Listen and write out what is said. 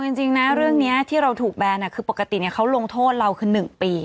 จริงนะเรื่องนี้ที่เราถูกแบนคือปกติเขาลงโทษเราคือ๑ปี